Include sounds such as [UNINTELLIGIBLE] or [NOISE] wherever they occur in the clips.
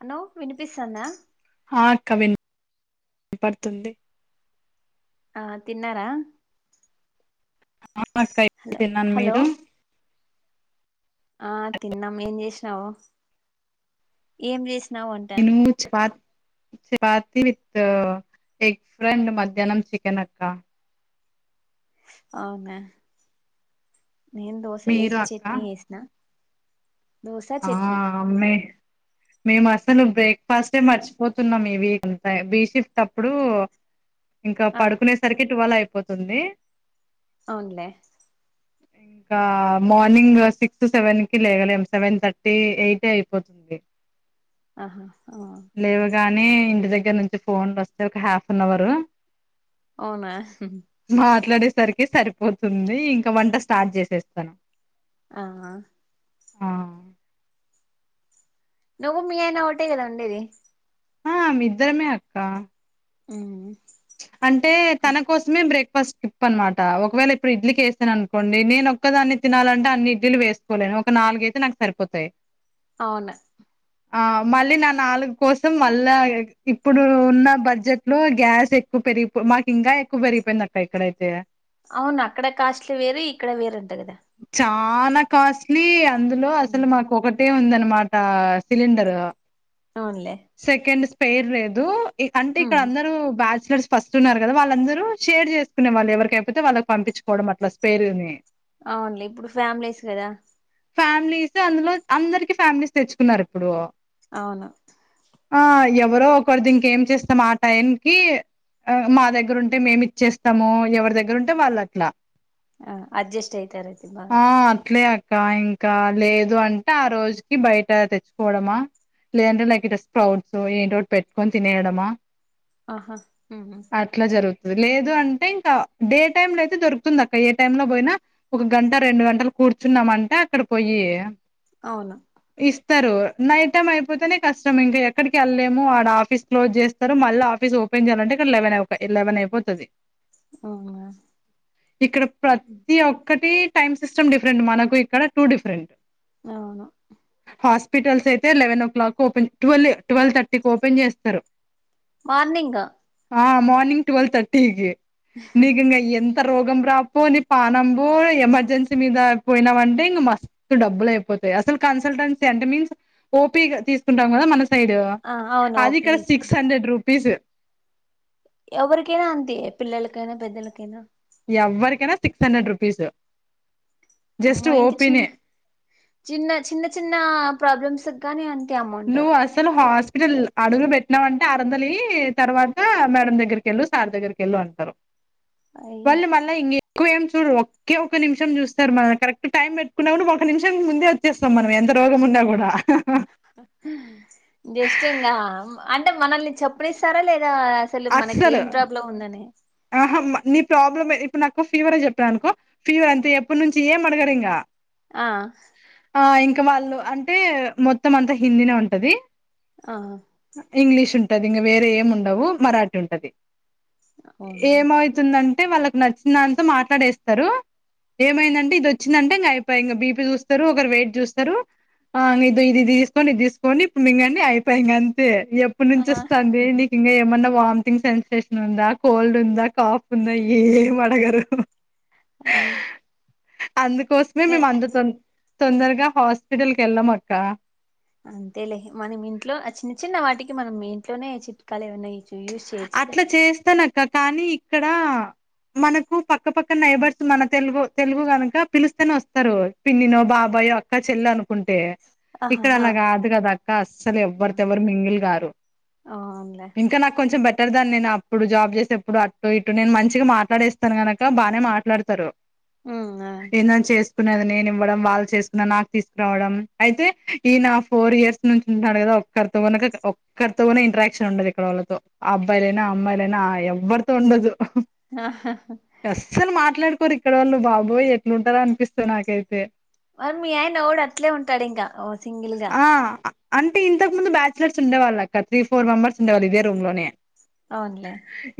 అన్నో వినిపిస్తాందా హా అక్క విన్ పడుతుంది ఆ తిన్నరా ఆ అక్క ఇప్పుడే హలొ తిన్నాను హలో మీరు ఆ తిన్నాం ఏం చేషినావు ఏం చేసినావు అన్ నినుమూ చపాత్ చపాతి విత్ ఎగ్ ఫ్రెండ్ మధ్యాహ్నం చికెన్ అక్క అవునా నేను దోసె మీరు ఏసి అక్క చట్నీ చేసినా ఆ అమ్మే మేము అసలు బ్రే ఫస్ట్ టైం మర్చిపోతున్నాను ఈ వీక్ అంతా బీ షిఫ్ట్ అప్పుడు ఇంక ఆ పడుకునే స్ సరికి టువెల్ అయిపోతుంది అవునులే ఇంకా మార్నింగ్ సిక్స్ సెవెన్ కి లేగలేం సెవెన్ థర్టీ ఎయిటే అయిపోతుంది ఆహా ఆ లేవగానే ఇంటి దగ్గర నుంచి ఫోన్లు వస్తే ఒక హాఫ్ అన్ అవర్ అవునా మాట్లాడేసరికి సరిపోతుంది ఇంక వంట స్టార్ట్ చేసేస్తాను ఆహా ఆ నువ్వు మీ ఆయనా ఒకటే కదండి ఆమ్ ఇద్దరమే అక్క ఊ అంటే తన కోస్ స్మే బ్రేక్ఫాస్ట్ స్కిప్ అనమాట ఒకవేళ ఇప్పుడు ఇడ్లీకి ఏసాను అనుకోండి నేను ఒక్కదాన్నే తినాలంటే అన్ని ఇడ్లీలు వేస్ కోలేను ఒక నాలుగైతే నాకు సరిపోతాయి అవునే ఆ మళ్ళీ నా నాలుగు కోసం మళ్ళా ఇప్పుడు ఉన్న బడ్జెట్ లో గ్యాస్ ఎ క్కువ పెరిగిపో మాకు ఇంకా ఎక్కువ పెరిగిపోయింది అక్క ఇక్కడైతే అవును అక్కడ కాస్ట్లీ వేరు ఇక్కడ వేరంట కదా చానా కాస్ట్లీ అందులో అసలు ఉమ్. మాకు ఒక టే ఉందనమాట సిలిండరు అవునులే సెకండ్ స్పెయిర్ లేదు అంటే ఇక్కడ ఉమ్. అందరూ బ్యాచిలర్స్ ఫస్ట్ ఉన్నారు కదా వాళ్ళందరూ షేర్ చేసుకునే వాళ్ళు ఎవరికి ఐపోతే వాళ్ళకి పంపిచ్చుకోవడం అట్లా స్పేరుని అవునులే ఇప్పుడు ఫ్యామిలీస్ కదా ఫ్యామిలీస్ అందులో అందరికీ ఫ్యామిలీస్ తెచ్చుకున్నారు ఇప్పుడు అవును ఆ ఎవరో ఒకరుది ఇంకేం చేస్తాం ఆ టైంకి మా దగ్గర ఉంటే మేం ఇచ్చేస్తాము ఎవరి దగ్గర ఉంటే వాళ్ళు అట్ల ఆ అడ్జస్ట్ అయితారు బాగా ఆ అట్లే అక్క ఇంకా లేదు అంటే ఆ రోజుకి బయట తెచ్చుకోవడమా లేదంటే లైక్ ఇటు వస్తు ఉంటావు ఏంటో ఒకటి పెట్టుకొని తినయడము ఆహా ఊ అట్ల జరుగుతుది లేదు అంటే ఇంకా డే టైమ్ లో అయితే దొరుకుతుంది అక్క ఏ టైమ్ లో పోయినా ఒక గంట రెండు గంటలు కూర్చున్నామంటే అక్కడ పోయి అవును ఇస్తరు నైట్ టైం అయిపోతేనే కష్టం ఇంకా ఎక్కడికి ఎళ్ళలేము ఆడ ఆఫీస్ క్లోజ్ చేస్త స్తరు మళ్ళ ఆఫీస్ ఓపెన్ చేయలంటే ఇక్కడ లెవేన్ అయిపోతది ఒక లెవెన్ అయిపోతా దండి అవునా ఇక్కడ ప్రతి ఓక్కటి టైమ్ సిస్టమ్ డిఫరెంట్ మనకు ఇక్కడ టూ డిఫరెంట్ అవును హాస్పిటల్స్ అయితే eleven o'clock open twelve twelve thirty కి ఓపెన్ చేస్తారు మార్నింగ్ ఆ ఆ మార్నింగ్ ట్వెల్వ్ థర్టీ కే నీకు ఇంగా ఎంత రోగం రాపో నీ పానం కు ఎమర్జెన్సీ మీద అయిపోయినవంటే ఇంగ మస్ స్తు డబ్బులు అయిపోతాయి అసలు కన్సల్టెన్సీ అంటే మీన్స్ ఓపీగా తీసుకుంటాం కదా మన సైడు ఆ అవును అది ఓపి కాస్త తీసుకు సిక్స్ హండ్రెడ్ రూపీసు ఎవరికైనా అంతే పిల్లలకైనా పెద్దలకైనా ఎవరికైనా సిక్స్ హండ్రెడ్ రూపీస్ జస్ట్ అమ్మో ఏంటి చిన్న ఓపీనే చిన్న చిన్న చిన్న ప్రాబ్లమ్స్ గాని అంతే అమౌంట్ ఆ నువ్వు అసలు హాస్పిటల్ అడుగు పెట్టినామంటే ఆరందలు ఇయ్యి తర్వాత మేడం దగ్గరికి వెళ్ళు సార్ దగ్గరికి వెళ్ళు అంటారు [INAUDIBLE] వాళ్ళు మల్ల ఇం ఎక్కువ ఏం చూడరూ ఒకే ఒక నిమిషం చూస్తారు మన కరెక్ట్ టైం పెట్టుకున్నా కూడా ఒక నిమిషం ముందే వచ్చేస్తాం మనం ఎంత రోగం ఉన్నా గూడ హ్ జస్ట్ ఇంకా అంటే మనల్ని చెప్పనిస్తారా లేదా అసలు మనకి ఏం ప్రాబ్లం ఉందని ఆహ నీ ప్రాబ్లమ్ ఇప్పుడు నాకు ఫీవర్ చెప్పాను అనుకో ఫీవర్ అంతే ఎప్పటి నుంచి ఏం అడగరు ఇంగ ఆ ఆ ఇంకా వాళ్ళు అంటే మొత్తం అంతా హిందీనే ఉంటాది ఆ ఇంగ్లీష్ ఉంటది ఇంగ వేరే ఏం ఉండవు మరాఠీ ఉంటాది అవునా ఏమై తుందంటే వాళ్ళకి నచ్చినంత మాట్లాడేస్తారు ఏమైందంటే ఇటు వచ్చిందంటే ఇంగ అయిపోయ ఇంకా బీపీ చూస్తరు ఒకరు వెయిట్ చూస్తరు ఆ ఇది ఇది తీసుకోంని ఇప్పుడు మిగండి అయిపాయ ఇంక అంతే ఇప్పుడు ఆ నుంచి వస్తాంది నీకు ఇంగ ఏమన్నా వామిటింగ్ సెన్సేషన్ ఉందా కోల్డ్ ఉందా కాఫ్ ఉందా ఏం అడగరు అయి అందుకోసమే మేము అంత త తొందరగా హాస్పిటల్కి వెళ్లం అక్క అంతేలే మనం ఇంట్లో చిన్న చిన్న వాటికి మనం మీ ఇంట్లోనే చి కాలి ఉన్నాయి ఇల్లు అట్లా చేస్తానక్క కానీ ఇక్కడ మనకు పక్కపక్క నైబర్స్ మన తెలుగు తెలుగు కనుక పిలుస్తేనే వస్తారు పిన్నినో బాబాయో అక్క చెల్లి అనుకుంటే ఆహా ఇక్కడ ఆ అలా కాదు కద అక్క అస్సలు ఎవ్వరి తో ఎవరు మింగిల్ గారు అవున్లే ఇంకా నాకు కొంచెం బెటర్ దాన్ని నేను అప్పుడు జాబ్ చేసేప్పుడు అటు ఇటు నేను మంచిగా మాట్లాడేస్తాను గనక బానే మాట్లాడతారు ఉమ్ ఆ ఎందన్ చేస్ కునేది నేను ఇవ్వడం వాళ్ళు చేసుకున్న నాకు తీసుకురావడం అయితే ఈనా ఫోర్ ఇయర్స్ నుంచి ఉంట్నాడు కదా క్కరితో గనక ఒక్కరితోనే ఇంట్రాక్షన్ ఉండదు ఇక్కడ వలతో అబ్బాయిలైనా అమ్మాయిలనా ఎవ్వరు తో ఉండదు హ్ హ హ హ అస్సలు మాట్లాడుకోరు ఇక్కడ ఓలు బాబోయ్ ఎట్లుంటారో అనిపిస్తాద్ నాకైతే మరి మీ ఆయన వాడు అట్లే ఉంటాడు ఇంకా ఓ సింగిల్ గా ఆ అంటే ఇంతకు ముందు బ్యాచులర్స్ ఉండేవాళ్ళు అక్క త్రీ ఫోర్ మెంబర్స్ ఉండేవాళ్ళు ఇదే రూమ్ లోనే అవునులే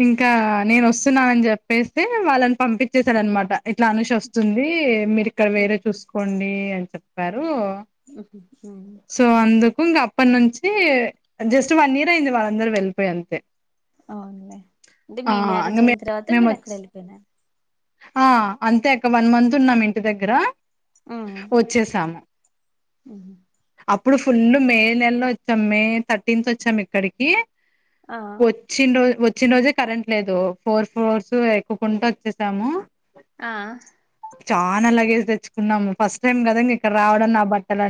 ఇంకా నేన్ వొస్తున్నానని చెప్పేస్త వాళ్ళని పంపించేసారు అనమాట ఇట్లా అనుష వస్ తుంది మీరు ఇక్కడ ఉమ్ వేరే చూసుకోండి అని చెప్పారు ఉహు మ్మ్ సో అందుకు ఇంగ ఆపట్నుంచి జస్ట్ వన్ ఇయర్ అయింది వాళ్ళందరు వెళ్ళిపోయి అంతే అవునులే అంటే ఆ మీ ఇంగ మ్యారేజ్ మే అయిన తర్వాత మీరు అక్కడ వెళ్ళిపోయినర్ హ అంతే అక్క వన్ మంత్ ఉన్నాం ఇంటి దగ్గర ఆ వచ్చేసాము [INAUDIBLE] ఉహ్ అప్పుడు ఫుల్ మే నెలలో వచ్చాం మే థర్టీన్త్ వచ్చాం ఇక్కడికి ఆ చ్చిన రోజ వచ్చిన రోజే కరెంట్ లేదు ఫోర్ ఫ్లోర్స్ ఎక్కుకుంటా ఒచ్చేసాము ఆ చానా లగేజ్ తెచ్చుకున్నాము ఫస్ట్ టైమ్ కద ఇక్కడ రావడం నా బట్టలు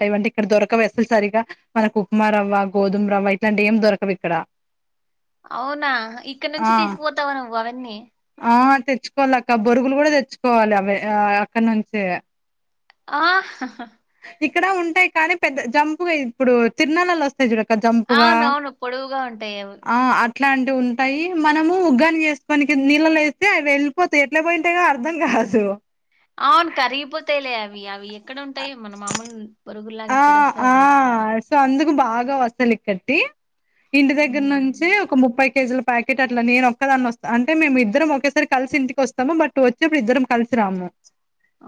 ట ఇవంట ఇక్కడ దొరకవ్ అసల్ సరిగా మనక్ ఉప్మా రవ్వ గోధుమ రవ్వ ఇట్లాంటి ఏం దొరకవు ఇక్కడ అవునా ఇక్కడ నుంచి ఆ తీసుకుపోతావు నువ్వు అవన్నీ ఆ తెచ్చుకోవాలక్క బొరుగులు కూడా తెచ్చుకోవాలి అవి ఆ అక్కడ్నుంచి ఆ [UNINTELLIGIBLE] ఇక్కడ ఉంటాయి కానీ పెద్ద జంపుగా ఇప్పుడు తిర్నలలో వస్తాయి స్తాయి జుడక్క జంపుగా అవునవును పొడువుగా ఉంటాయి అవి ఆ ఇట్లాంటివి ఉంటాయి మనము ఉగ్గాని చేస్కోనికి నీళ్ళలేస్తే అవి వెళ్ళిపోతాయి ఎట్లా బోయింటయో అర్ధం కాదు అవ్ను కర్గిపోతాయిలే అవి అవి ఎక్కడ ఉంటాయి మన మామూల్ ఆ ఆ సో అందుకు బాగా వస్తులిక్కట్కీ ఇంటి ఉమ్ దగ్గర్నుంచి ఒక ముప్పై కేజీల ప్యాకెట్ అట్లా నేనోక్కదాన్ని వస్తా అంటే మేము ఇద్దరం ఒకేసారి కల్సి ఇంటికోస్తాము బట్ వచ్చేప్పుడు ఇద్దరం కల్సి రాము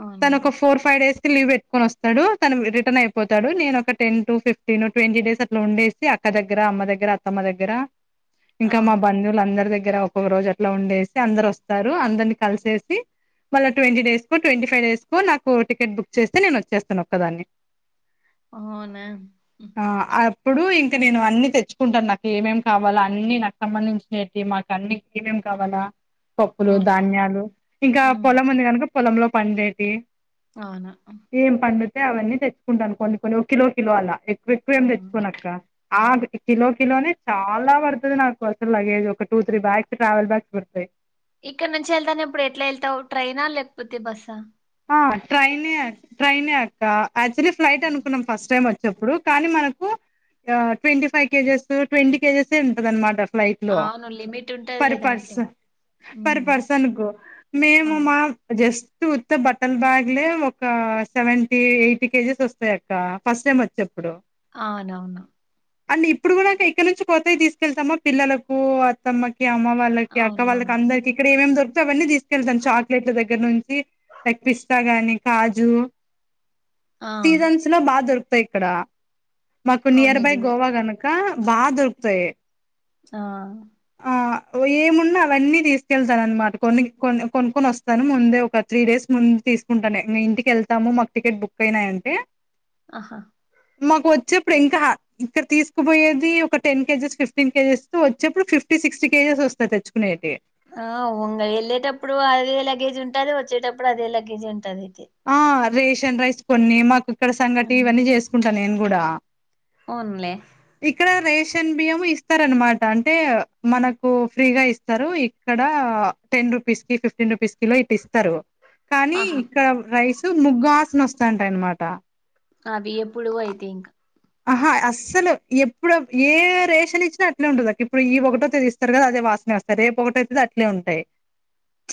అవును తను ఒక ఫోర్ ఫైవ్ డేస్కి లీవ్ పెట్టుకొని వొస్తాడు తను టనైపోతాడు నేను ఒక ten to fifteen twenty days అట్లా ఉండేసి అక్క దగ్గర అమ్మ దగ్గర అత్తమ్మ దగ్గర ఆ ఇంకా మా బంధువులందరి దగ్గర ఒక రోజట్లా ఉండేసి అందరు ఒస్తారు అందర్ని కల్సేసి మళ్ళ ట్వంటీ డేస్కో ట్వంటీ ఫైవ్ డేస్కో నాకు టికెట్ బుక్ చేస్తె నేను వొచ్చేస్తానొక్క దాన్ని అవ్నా ఆ అప్పుడు ఇంక నేను అన్నీ తెచ్చుకుంటాను నాకేమేమి కావాలో అన్నీ నాకు సంబంధించి ఏంటి మాకన్ని ఏమేం కావాలా పప్పులు అవునులే ధాన్యాలు ఇంకా హ్మ్ పొలం ఉంది కనుక పొలంలో పండేటి అవ్నా ఏం పండుతే అవన్నీ తెచ్చుకుంటాను కొన్ని కొన్ని ఒక కిలో కిలో అలా ఎక్కువెక్కువ ఏమి అవును. తెచ్చుకోనక్క ఆ కిలో కిలోనే చాలా పడ్తది నాకు అసలు లగేజ్ ఒక two three bags travel bags పడ్తాయి ఇక్కడ్నుంచి వెళ్తానేప్పుడు ఎట్లా వెళ్తావు ట్రైనా లేకపోతే బస్స ఆ ట్రైనే ట్రైనే అక్క యాక్చువలీ ఫ్లైట్ అనుకున్నాం ఫస్ట్ టైం ఎప్పుడు కానీ మనకు ట్వంటీ ఫైవ్ కేజెస్ ట్వంటీ కేజెసే ఉంటాదనమాట ఫ్లైట్లో అవును. లిమిట్ ఫర్ ఉంటదిలే పర్స్ దాంట్లో. ఫర్ హ్మ్. పర్సన్ కు మేము అవును. మా జస్టు బట్టల బ్యాగ్లే ఒక సెవెంటీ ఎయిటీ కేజీస్ వస్తాయి అక్క ఫస్ట్ టైం వచ్చేప్పుడు అవునవును అండ్ ఇప్పుడు కూడా ఇక్కడ్నుంచి కొత్తవి తీస్కెళ్తామా పిల్లలకు అత్తమ్మకి అమ్మ వాళ్ళకి అక్క వాళ్ళకి అవునవును. అందర్కి ఇక్కడ ఏమేమి దొరుకుతే అవన్ని తీస్కెతాను చాక్లెట్ల దగ్గర్నుంచి లైక్ పిస్తా గాని కాజు ఆ! సీజన్స్ బాగా దొరుకుతాయి ఇక్కడ మాకు అవును నియర్ బై నిజమే. గోవా గనుక బాగా దొరుకుతాయి ఆ ఆ ఏమున్నా అవన్నీ తీస్కెళ్తానన్నమాట కొన్ని కొనుక్కొనోస్తాను ముందే ఒక త్రీ డేస్ ముందు తీస్కుంటాను మీము ఇంటికేళ్తాము మాకు టికెట్ బుక్ అయినాయంటే ఆహా మాకు వచ్చెప్పుడు ఇంకా ఇక్కడ తీస్కుపోయేది ఒక టెన్ కేజెస్ ఫిఫ్టీన్ కేజెస్ వొచ్చేప్పుడు ఫిఫ్టీ సిక్స్టీ కేజెస్ వస్తాయి తెచ్చుకునేటివి ఆ ఉంగా యేళ్ళేటప్పుడు అదే లగేజ్ ఉంటాది వచ్చేటప్పుడు అదే లగేజ్ ఉంటాది అయితే ఆ రేషన్ రైస్ కొన్ని మాకు ఇక్కడ సంగటి ఇవన్నీ చేస్కుంటా నేను కూడా ఉన్లె ఇక్కడ రేషన్ బియ్యం ఇస్తారనమాట అంటే మనకు ఫ్రీగా ఇస్తారు ఇక్కడ టెన్ రూపీస్కి ఫిఫ్టీన్ రూపీస్కి కిలో ఇటు ఇస్తారు కానీ ఆహా! ఇక్కడ రైస్ ముగ్గువాసన వస్తాంటాయి అనమాట అది ఎప్పుడో అయితే ఇంకా ఆహా అస్సలు ఎప్పుడు ఏ రేషన్ ఇచ్చినా అట్లేనే ఉంటదక్క ఇప్పుడు ఈ ఒకటో తేదిన ఇస్తారు కదా అదే వాసనే రేపు ఒకటి అయితాది అట్లే ఉంటాయి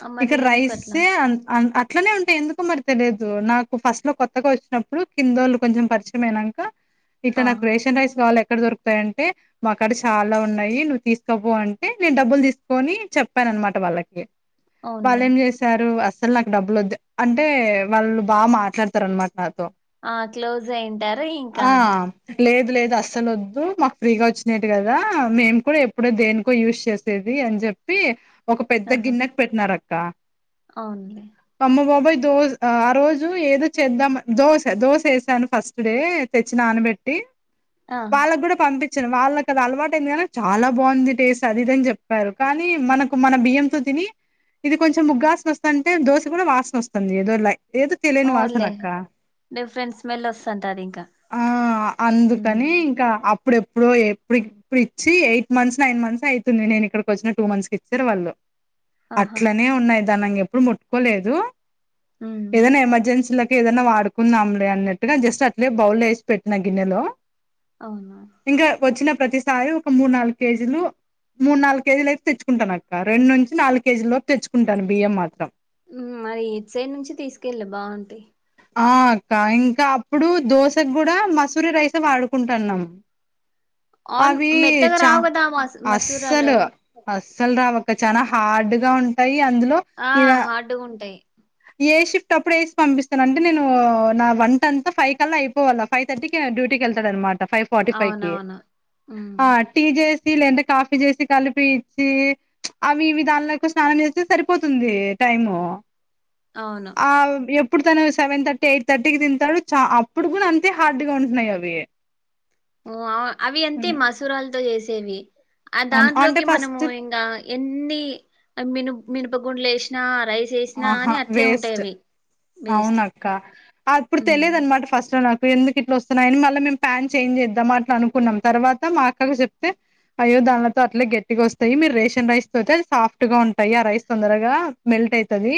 ఆ! మరి ఇక్కడ ఎందుకట్లా? రైసే అన్ ఆ అట్లానే ఉంటాయి ఎందుకో మరి తెలిదు నాకు ఫస్ట్ లో కొత్తగా వొచ్చినప్పుడు కిందోళ్ళు కొంచెం పరిచయం అయినాంక ఇట్లా ఆ! నాకు రేషన్ రైస్ కావాల్ల ఎక్కడ దొరుకుతాయంటే మాకాడ చాలా ఉన్నాయి నువ్వు తీసుకోపో అంటే నేను డబ్బులు తీసుకొని చెప్పాను అనమాట వాళ్ళకి వాళ్ళ్ అవునులే. ఏం చేసు సారు అస్సలు నాకు డబ్బులు వద్ద్ అంటే వాళ్ళు బాగా మాట్లాడతారు అనమాట నాతో ఆ క్లోజ్ అయింటారు ఇంకా ఆ లేదు లేదు అస్సలు వద్దు మాకు ఫ్రీగా వచ్చినేటివి కదా మేము కూడా ఎప్పుడే దేనికో యూజ్ చేస్ చేసేది అని చెప్పి ఒక పెద్ద ఆహా! గిన్నెకి పెట్టినారు అక్క అవునులే అమ్మో బాబాయ్ దోస్ ఆ రోజు ఏదో చేద్దాం దోశ దోశ వేసాను ఫస్ డే తెచ్చి నానబెట్టి ఆ! వాళ్ళకి కూడా పంపి చిన వాళ్ళకి అది అలవాటు అయిందిగాని చాలా బాగుంది టేస్ట్ అది ఇదిని చెప్పారు కానీ మనకు మన బియ్యంతో తిని ఇది కొంచెం ముగ్గా వాసన వస్తాంటే దోశ కూడా వాసన వస్తుంది ఎదొలై ఏదో తెలియని అవునులే వాసన అక్క డిఫరెంట్ స్మెల్ వస్తుంటది ఇంకా ఆ అందుకని ఇంకా అప్పుడెప్పుడు ఎప్పుడి ఇప్పుడు ఇచ్చి ఎయిట్ మంత్స్ నైన్ మంత్స్ అయితుంది నేను ఇక్కడికి వచ్చిన టూ మంత్స్ కి ఇచ్చారు వాళ్ళు ఆహా అట్లనే ఉన్నాయ్ దాన్ని ఇంగ ఎప్పుడు ముట్టుకోలేదు ఉమ్ ఏదైనా ఎమర్జెన్సీలకి ఏదైనా వాడుకుందాంలే అన్నట్టుగా జస్ట్ అట్లేనే బౌల్ వేసి పెట్టిన గిన్నె లో అవునా ఇంకా వచ్చిన ప్రతిసారి ఒక మూడు నాలుగు కేజీలు మూడు నాలుగు కేజీలు అయితే తెచ్చుకుంటాను అక్క రెండు నుంచి నాలుగు కేజీలలోపు తెచ్చుకుంటాను బియ్యం మాత్రం హుమ్ మరి ఇటు సైడ్ నుంచి తీసుకెళ్లు బాగుంటాయి ఆ అక్క ఇంకా అప్పుడు దోశకు కూడా మసూరి రైసే వాడుకుంటున్నం అవును మెత్తగా రావు కదా మ మసూరాలు అస్సలు అస్సలు రావ్ అక్క చాన హార్డ్ గా ఉంటాయి అందులో ఆ ఇలా హార్డుగుంటాయ్ ఏ షిఫ్ట్ అప్పుడు ఏసి పంపిస్తాను అంటే నేను నా వంట అంతా ఫైవ్ కల్ల అయిపోవాల ఫైవ్ థర్టీకె డ్యూటీకి వెళ్తడనమాట ఫైవ్ ఫార్టీ ఫైవ్కి అవునవును ఉమ్ ఆ టీ చేసి లేదా కాఫీ చేసి కలిపి ఇచ్చి అవిఇవి దాంన్లతో స్నానం చేస్తే సరిపోతుంది టైము అవును ఆ ఎప్పుడు తను సెవెన్ థర్టీ ఎయిట్ థర్టీ కి తింటాడు చ అప్పుడు కూడా అంతే హార్డ్ గా ఉంటన్నాయి అవి హుమ్ అవి అంతే హ్మ్. మసూరాలతో చేసేవి ఆ అం అంటే దాంట్లోకి మనము ఫస్ట్ ఇంగ ఎన్ని మిను మినపగుండ్లు ఏషిన రైస్ చేసినా గాని ఆహా అట్లే ఉంటాయి వేస్ట్ అవి వేస్ట్ అవునక్క అప్పుడు ఉమ్ తెలియదు అనమాట ఫస్ట్ లో నాకు ఎందుకు ఇట్లా వస్తున్నాయని మళ్ళా మేము ప్యాన్ చేంజ్ చేద్దాం అట్లా అనుకున్నాం తర్వాత మా అక్కకు చెప్తే అయ్యో దాన్లతో అట్లే గట్టిగా వస్తాయి మీరు రేషన్ రైస్ తోతే సాఫ్ట్ గా ఉంటాయి ఆ రైస్ తొందరగా మెల్ట్ అయితది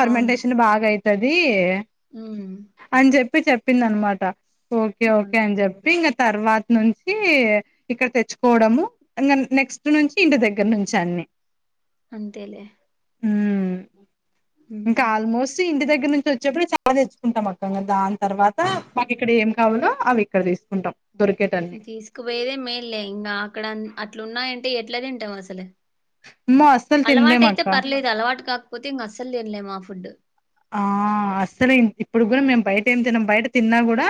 ఫర్మెంటేషన్ బాగా అయితది హుమ్ అన్ చెప్పి చెప్పిందనమాట ఓకే ఓకే అవును అని చెప్పి ఇంక తర్వాత నుంచి ఇక్కడ తెచ్చుకోవడము ఇంక నెక్స్ట్ నుంచి ఇంటి దగ్గర నుంచే అన్ని అంతేలే ఉమ్ హుమ్ ఇంకా ఆల్మోస్ట్ ఇంటి దగ్గర నుంచి వచ్చేప్పుడు చాలా తెచ్చుకుంటాం అక్క ఇంగ దాని తర్వాత మాకు ఇక్కడ ఏం కావాలో అవి ఇక్కడ తీసుకుంటాం దొరికేటట్టు తీసుకుపోయేదే మేల్లే ఇంకా అక్కడ అట్ల ఉన్నాయంటే ఎట్లా తింటావు అసలు అమ్మో అస్సలు తినలేం అలవాటైతే అక్క పర్లేదు అలవాటు కాకపోతే ఇంకా అస్సలు తినలేము ఆ ఫుడ్ ఆ అస్సలు ఇప్పుడు కూడా మేము బయట ఏం తినం బయట తిన్నా కూడా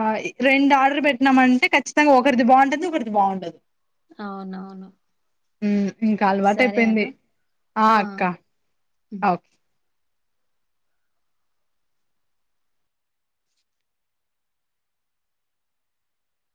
ఆ ఇ రెండు ఆర్డర్ పెట్టినామంటే ఖచ్చితంగా ఒకరిది బాగుంటది ఇంకొకరిది బాగుండదు అవునవును హుమ్ ఇంకా అలవాటు సరే అన్న అయిపోయింది ఆ అక్క ఉమ్. అవ్